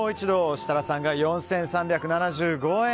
設楽さんが４３７５円。